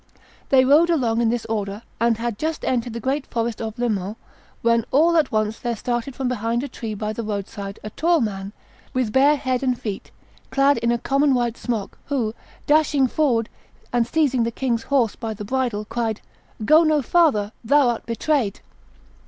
They rode along in this order, and had just entered the great forest of Le Mans, when all at once there started from behind a tree by the road side a tall man, with bare head and feet, clad in a common white smock, who, dashing forward and seizing the king's horse by the bridle, cried, 'Go no farther; thou art betrayed!